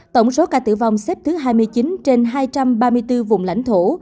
tổng số ca tử vong xếp thứ hai mươi chín trên hai trăm ba mươi bốn vùng lãnh thổ